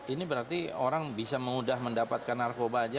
ini berarti orang bisa mudah mendapatkan narkoba saja